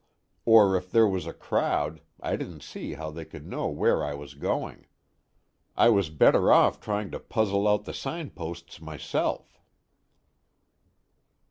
Or if there was a crowd, I didn't see how they could know where I was going. I was better off trying to puzzle out the signposts myself."